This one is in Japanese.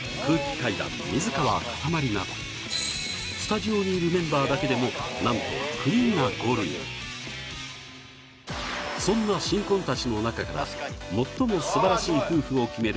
階段水川かたまりなどスタジオにいるメンバーだけでも何と９人がゴールインそんな新婚達の中から最も素晴らしい夫婦を決める